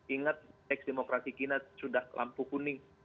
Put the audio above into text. ingat eksdemokrasi kina sudah lampu kuning